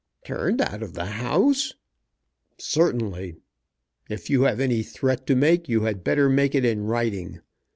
"Turned out of the house?" "Certainly. If you have any threat to make, you had better make it in writing.